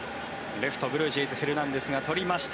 レフト、ブルージェイズヘルナンデスがとりました。